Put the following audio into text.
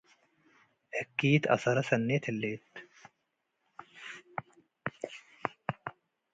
እኪት አሰረ ሰኔት ህሌት።